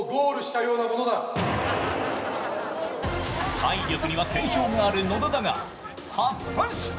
体力には定評がある野田だが、果たして？